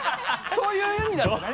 そういう意味ならね